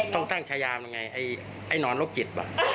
ต้องตั้งชายามให้นอนร่วงจิต